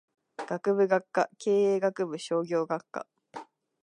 学部・学科経済学部商業学科